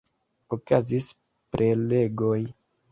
Okazis prelegoj.